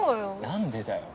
何でだよ？